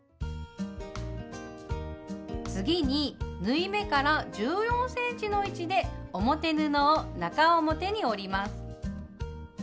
次に縫い目から１４ｃｍの位置で表布を中表に折ります。